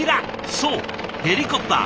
そうヘリコプター。